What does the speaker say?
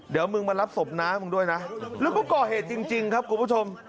เดี๋ยวมึงมารับศพน้ามึงด้วยนะแล้วก็ก่อเหตุจริงครับคุณผู้ชม